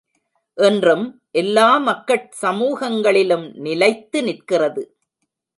இன்றும் எல்லா மக்கட் சமூகங்களிலும் நிலைத்து நிற்கிறது.